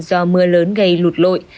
do mưa lớn gây lụt lội